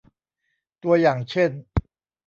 ตัวอย่างเช่น